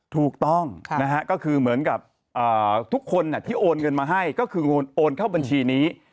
ถูกต้องนะฮะก็คือเหมือนกับทุกคนที่โอนเงินมาให้ก็คือโอนเข้าบัญชีนี้